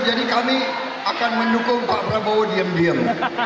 jadi kami akan mendukung pak prabowo diam diam